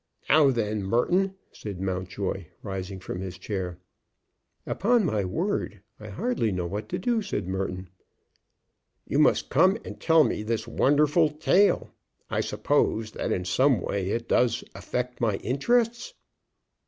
"Now then, Merton," said Mountjoy, rising from his chair. "Upon my word I hardly know what to do," said Merton. "You must come and tell me this wonderful tale. I suppose that in some way it does affect my interests?"